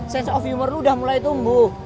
sense of humor lo udah mulai tumbuh